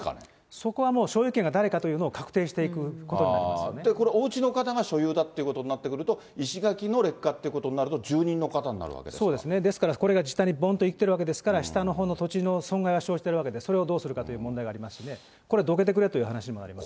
そこはもう所有権が誰かというのを確定していくということにこれ、おうちの方が所有だっていうことになってくると、石垣の劣化っていうことになると、住そうですね、ですからこれが実際にぼんといっているわけですから、下のほうの土地の損害が生じているわけで、それをどうするかという問題がありますしね、これ、どけてくれという話になりますね。